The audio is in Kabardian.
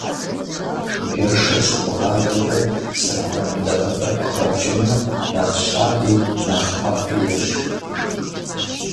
Джэшыр щыбгъавэкӀэ сэхуран дагъэ тӀэкӀу хэпкӀэмэ, нэхъ щаби, нэхъ ӀэфӀи ещӀ.